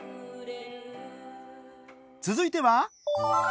続いては。